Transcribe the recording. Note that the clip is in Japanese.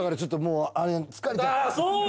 そう